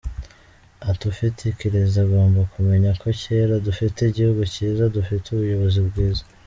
Ati “ Ufite ikirezi agomba kumenya ko cyera, dufite igihugu cyiza, dufite ubuyobozi bwiza.